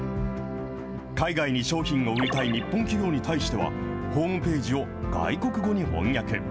海外に商品を売りたい日本企業に対しては、ホームページを外国語に翻訳。